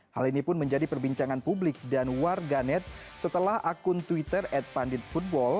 hal ini pun menjadi perbincangan publik dan warganet setelah akun twitter at pandit football